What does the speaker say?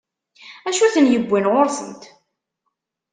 D acu i ten-iwwin ɣur-sent?